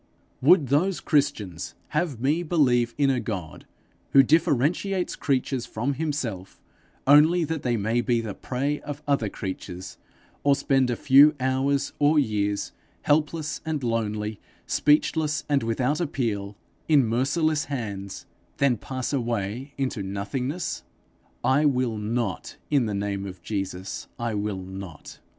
Would those Christians have me believe in a God who differentiates creatures from himself, only that they may be the prey of other creatures, or spend a few hours or years, helpless and lonely, speechless and without appeal, in merciless hands, then pass away into nothingness? I will not; in the name of Jesus, I will not.